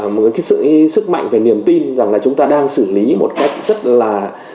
một cái sức mạnh về niềm tin rằng là chúng ta đang xử lý một cách rất là